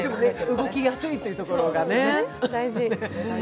動きやすいってところがね。